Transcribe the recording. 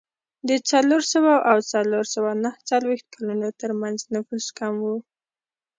د څلور سوه او څلور سوه نهه څلوېښت کلونو ترمنځ نفوس کم و